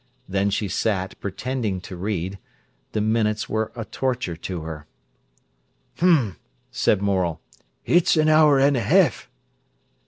Then she sat, pretending to read. The minutes were a torture to her. "H'm!" said Morel. "It's an hour an' a ha'ef."